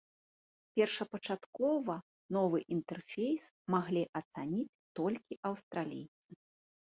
Першапачаткова новы інтэрфейс маглі ацаніць толькі аўстралійцы.